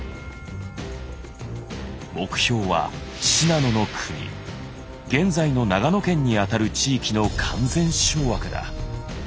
目標は信濃の国現在の長野県にあたる地域の完全掌握だ。